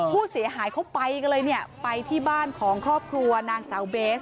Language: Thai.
ผู้เสียหายเขาไปกันเลยเนี่ยไปที่บ้านของครอบครัวนางสาวเบส